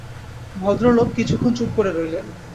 ভদ্রলোক কিছুক্ষণ চুপ করে রইলেন।